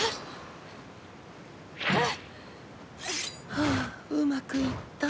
はあうまくいった。